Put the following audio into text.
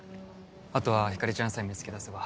あとは光莉ちゃんさえ見つけ出せば。